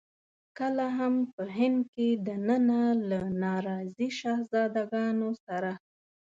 کله هم په هند کې دننه له ناراضي شهزاده ګانو سره.